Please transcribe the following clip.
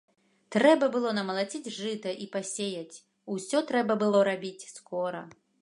Трэба было намалаціць жыта і пасеяць, усё трэба было рабіць скора.